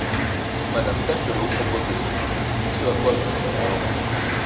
Madame Berthelot propose de les supprimer, ce à quoi nous sommes favorables.